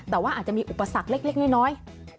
แต่ว่าอาจจะมีอุปสรรคเล็กน้อย